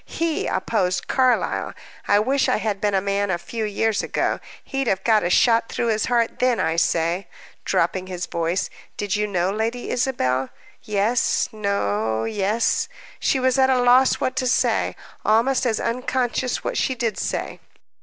He oppose Carlyle! I wish I had been a man a few years ago, he'd have got a shot through his heart then. I say," dropping his voice, "did you know Lady Isabel?" "Yes no yes." She was at a loss what to say almost as unconscious what she did say.